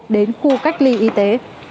đến khu cách ly y tế